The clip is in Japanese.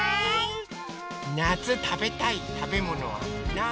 なつたべたいたべものはなに？